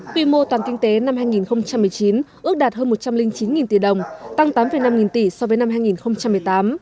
quy mô toàn kinh tế năm hai nghìn một mươi chín ước đạt hơn một trăm linh chín tỷ đồng tăng tám năm nghìn tỷ so với năm hai nghìn một mươi tám